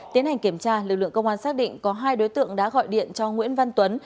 tiến hành kiểm tra lực lượng công an xác định có hai đối tượng đã gọi điện cho nguyễn văn tuấn